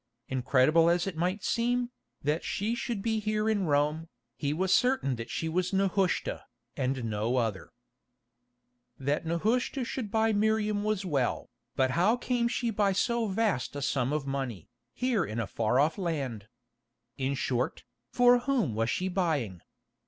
Incredible as it might seem, that she should be here in Rome, he was certain that she was Nehushta, and no other. That Nehushta should buy Miriam was well, but how came she by so vast a sum of money, here in a far off land? In short, for whom was she buying?